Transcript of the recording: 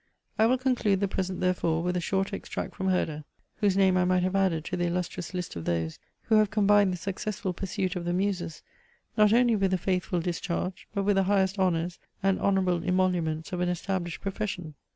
I will conclude the present therefore with a short extract from Herder, whose name I might have added to the illustrious list of those, who have combined the successful pursuit of the Muses, not only with the faithful discharge, but with the highest honours and honourable emoluments of an established profession.